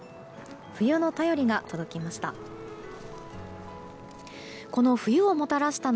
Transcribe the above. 冬の便りが届きました。